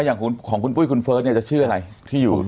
อย่างของคุณปุ้ยคุณเฟิร์สเนี่ยจะชื่ออะไรที่อยู่